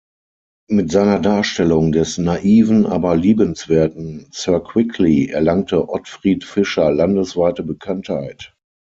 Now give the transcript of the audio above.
Mit seiner Darstellung des naiven, aber liebenswerten "Sir Quickly" erlangte Ottfried Fischer landesweite Bekanntheit.